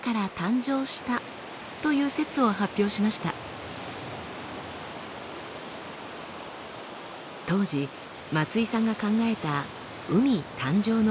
当時松井さんが考えた海誕生のシナリオです。